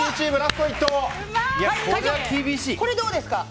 会長、これどうですか？